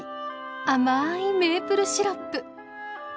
甘いメープルシロップ。